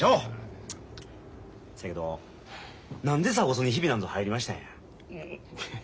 せやけど何で鎖骨にひびなんぞ入りましたんや？